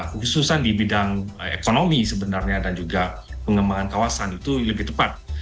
kehususan di bidang ekonomi sebenarnya dan juga pengembangan kawasan itu lebih tepat